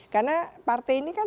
karena partai ini kan